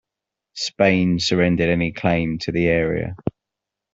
Spain surrendered any claim to the area.